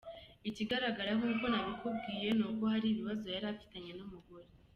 Ikigaragara nkuko nabikubwiye ni uko hari ibibazo yari afitanye n’umugore.